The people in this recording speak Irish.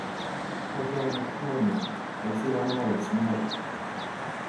Ó Bhearna go Carna, agus oileáin Árann san áireamh.